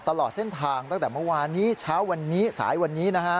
ตลอดเส้นทางตั้งแต่เมื่อวานนี้เช้าวันนี้สายวันนี้นะฮะ